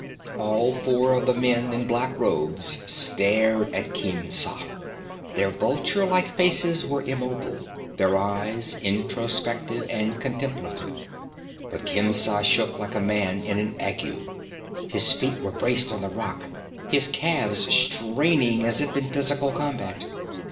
All four of the men in black robes stared at Khemsa. Their vulture like faces were immobile, their eyes introspective and contemplative. But Khemsa shook like a man in an ague. His feet were braced on the rock, his calves straining as if in physical combat.